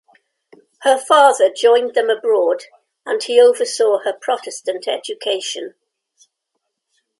Her father joined them abroad and he oversaw her Protestant education.